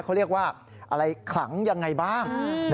เขาเรียกว่าอะไรขลังยังไงบ้าง